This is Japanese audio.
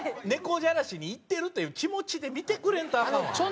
猫じゃらしに行ってるという気持ちで見てくれんとアカンわ。